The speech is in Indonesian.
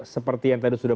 seperti yang tadi sudah